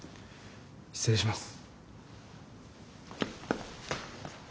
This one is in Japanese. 失礼します。